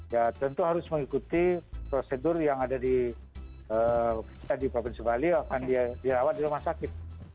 ya tentu harus mengikuti prosedur yang ada di provinsi bali akan dirawat di rumah sakit